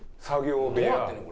どうなってんねん？